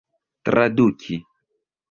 traduki